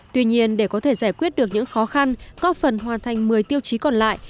tuy nhiên để có thể giải quyết được những khó khăn góp phần hoàn thành một mươi tiêu chí còn lại